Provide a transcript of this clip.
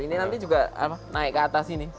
ini nanti juga naik ke atas ini